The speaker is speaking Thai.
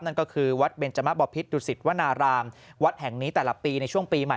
นั่นก็คือวัดเบนจมะบพิษดุสิตวนารามวัดแห่งนี้แต่ละปีในช่วงปีใหม่